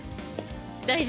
大丈夫よ。